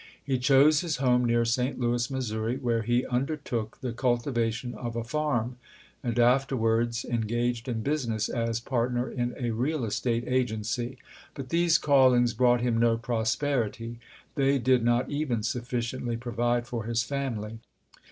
He chose his home near St. Louis, Missouri, where he undertook the cultivation of a farm, and afterwards engaged in business as part ner in a real estate agency. But these callings brought him no prosperity; they did not even sufficiently provide for his family.